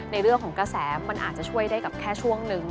ในเรื่องของกระแสมันอาจจะช่วยได้กับแค่ช่วงนึง